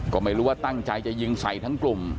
ก็ไม่รู้ว่าตั้งใจจะยิงใส่ทั้งกลุ่ม